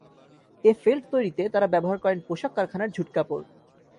এ felt তৈরিতে তারা ব্যবহার করেন পোশাক কারখানার ঝুট কাপড়।